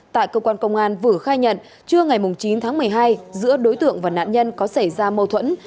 tại cơ quan công an vữa khai nhận trưa ngày chín tháng một mươi hai giữa đối tượng và nạn nhân có xảy ra mâu thuẫn